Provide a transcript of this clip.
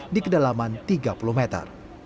di kedalaman tiga puluh meter